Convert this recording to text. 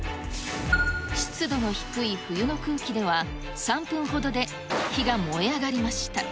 湿度の低い冬の空気では、３分ほどで火が燃え上がりました。